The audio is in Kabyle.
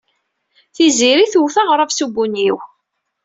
Tiziri twet aɣrab s ubunyiw.